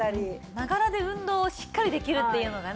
ながらで運動をしっかりできるっていうのがね。